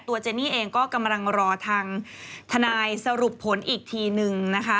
เจนี่เองก็กำลังรอทางทนายสรุปผลอีกทีนึงนะคะ